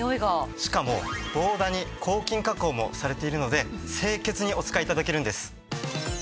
しかも防ダニ抗菌加工もされているので清潔にお使い頂けるんです。